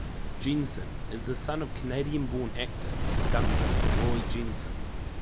Jenson is the son of Canadian-born actor and stuntman Roy Jenson.